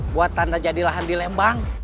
buat tanda jadi lahan di lembang